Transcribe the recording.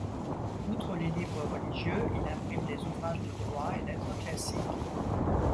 Outre les livres religieux, il imprime des ouvrages de droit et lettres classiques.